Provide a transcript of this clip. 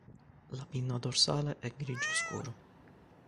La pinna dorsale è grigio scuro.